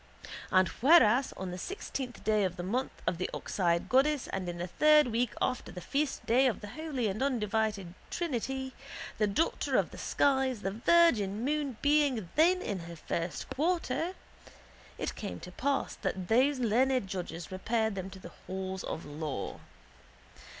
And whereas on the sixteenth day of the month of the oxeyed goddess and in the third week after the feastday of the Holy and Undivided Trinity, the daughter of the skies, the virgin moon being then in her first quarter, it came to pass that those learned judges repaired them to the halls of law.